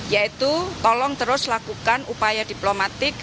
yaitu tolong terus lakukan upaya diplomatik